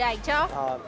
dạ không ạ